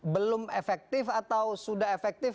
belum efektif atau sudah efektif